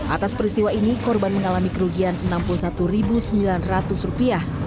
atas peristiwa ini korban mengalami kerugian rp enam puluh satu sembilan ratus